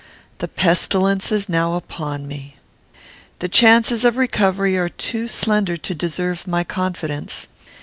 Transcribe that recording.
"The pestilence is now upon me. The chances of recovery are too slender to deserve my confidence.